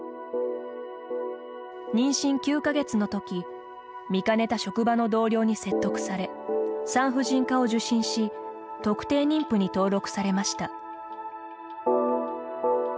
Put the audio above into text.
妊娠９か月のとき見かねた職場の同僚に説得され産婦人科を受診し特定妊婦に登録されました。